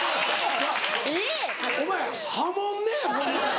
お前破門ねホンマに。